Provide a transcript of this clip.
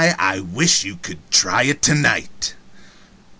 I wish you could try it to night!"